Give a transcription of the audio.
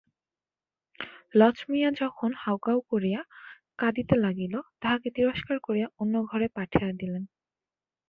লছমিয়া যখন হাউ-হাউ করিয়া কাঁদিতে লাগিল তাহাকে তিরস্কার করিয়া অন্য ঘরে পাঠাইয়া দিলেন।